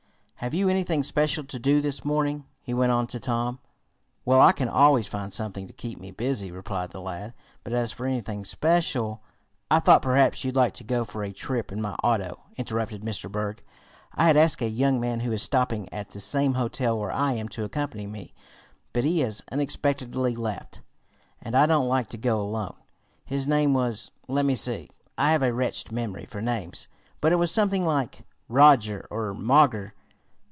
Have you anything special to do this morning?" he went on to Tom. "Well, I can always find something to keep me busy," replied the lad, "but as for anything special " "I thought perhaps you'd like to go for a trip in my auto," interrupted Mr. Berg. "I had asked a young man who is stopping at the same hotel where I am to accompany me, but he has unexpectedly left, and I don't like to go alone. His name was let me see. I have a wretched memory for names, but it was something like Roger or Moger."